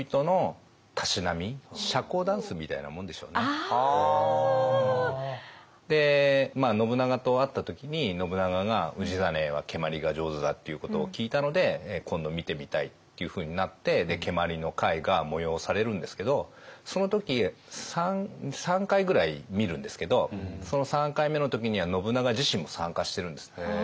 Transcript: だからもう何ですかね信長と会った時に信長が氏真は蹴鞠が上手だっていうことを聞いたので今度見てみたいっていうふうになって蹴鞠の会が催されるんですけどその時３回ぐらい見るんですけどその３回目の時には信長自身も参加してるんですね。